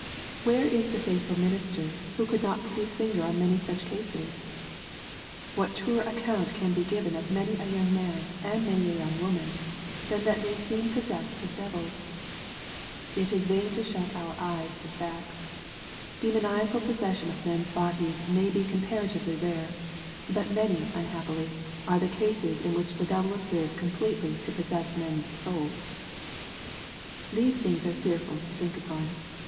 Where is the faithful minis ter who could not put his finger on many such cases ? What truer account can be given of many a young man, and many a youDg woman, than that they seem possessed of devils ? It is vain to shut our eyes to facts. Demoniacal possession of men's bodies may be compar atively rare. But many, unhappily, are the cases in which the devil appears completely to possess men's souls. These things are fearful to think upon.